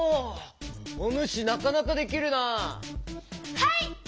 はい！